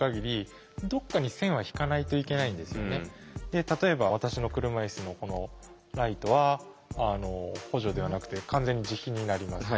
で例えば私の車いすのこのライトは補助ではなくて完全に自費になります。